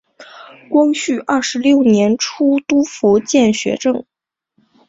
光绪二十六年出督福建学政。